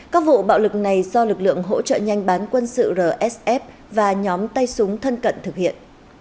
các vụ bạo lực này do lực lượng hỗ trợ nhanh bán quân sự rsf và nhóm tay súng thân cận thực hiện